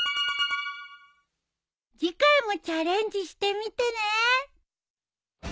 次回もチャレンジしてみてね。